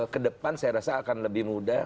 kedepan saya rasa akan lebih mudah